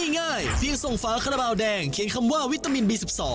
ง่ายเพียงส่งฝาคาราบาลแดงเขียนคำว่าวิตามินบี๑๒